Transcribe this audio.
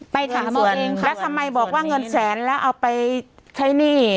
ไปถามตัวเองค่ะแล้วทำไมบอกว่าเงินแสนแล้วเอาไปใช้หนี้